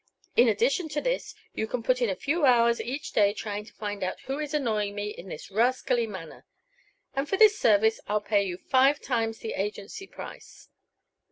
In addition to this you can put in a few hours each day trying to find out who is annoying me in this rascally manner, and for this service I'll pay you five times the agency price.